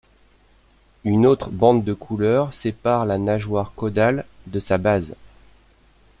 Une autre bande de couleur sépare la nageoire caudale de sa base.